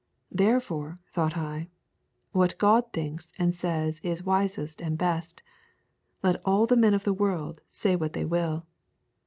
Therefore, thought I, what God thinks and says is wisest and best, let all the men of the world say what they will.